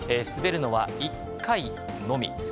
滑るのは１回のみ。